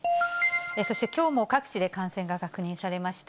そしてきょうも各地で感染が確認されました。